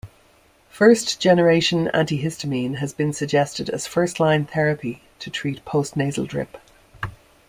First-generation antihistamine has been suggested as first-line therapy to treat post-nasal drip.